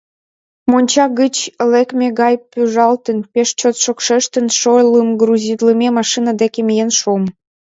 Монча гыч лекме гай пӱжалтын, пеш чот шокшештын, шолым грузитлыме машина деке миен шуым.